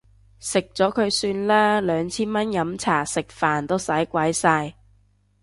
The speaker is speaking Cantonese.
食咗佢算啦，兩千蚊飲茶食飯都使鬼晒